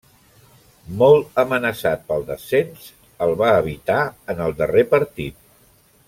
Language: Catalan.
Molt amenaçat pel descens, el va evitar en el darrer partit.